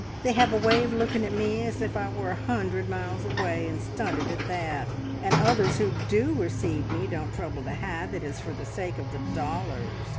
They have a way of looking at me as if I were a hundred miles away, and stunted at that. And others who do receive me don't trouble to hide that it's for the sake of the dollars.